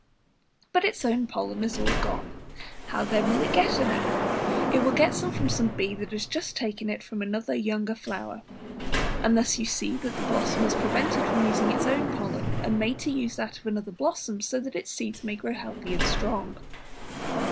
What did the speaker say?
But its own pollen is all gone, how then will it get any? It will get it from some bee who has just taken it from another and younger flower; and thus you see the blossom is prevented from using its own pollen, and made to use that of another blossom, so that its seeds may grow healthy and strong.